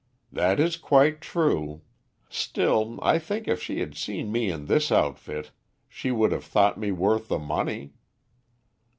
"That is quite true; still, I think if she had seen me in this outfit she would have thought me worth the money."